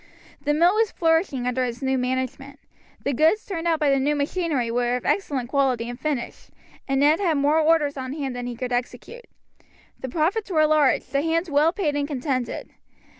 The mill was flourishing under its new management. The goods turned out by the new machinery were of excellent quality and finish, and Ned had more orders on hand than he could execute. The profits were large, the hands well paid and contented.